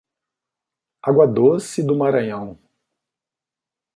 Água Doce do Maranhão